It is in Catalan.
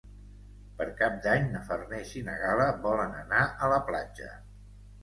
Per Cap d'Any na Farners i na Gal·la volen anar a la platja.